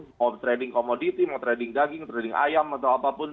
mau trading komoditi mau trading daging trading ayam atau apapun